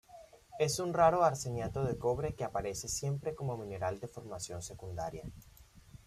Es un raro arseniato de cobre que aparece siempre como mineral de formación secundaria.